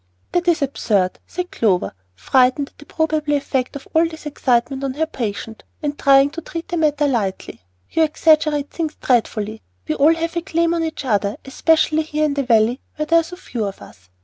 "That is absurd," said Clover, frightened at the probable effect of all this excitement on her patient, and trying to treat the matter lightly. "You exaggerate things dreadfully. We all have a claim on each other, especially here in the Valley where there are so few of us.